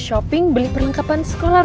yang pintar ya nak ya